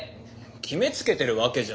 決めつけてるわけじゃ。